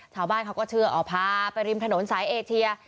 ชาวบ้านเขาก็เชื่อเอาพาไปริมถนนสายเอเชีย